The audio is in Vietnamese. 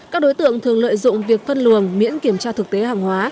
các đối tượng thường lợi dụng việc phân luồng miễn kiểm tra thực tế hàng hóa